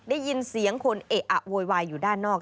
ได้ยินเสียงคนเอะอะโวยวายอยู่ด้านนอก